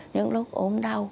những lúc ốm đau